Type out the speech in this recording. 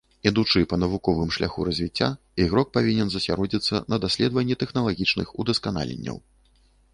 Ідучы па навуковым шляху развіцця, ігрок павінен засяродзіцца на даследаванні тэхналагічных удасканаленняў.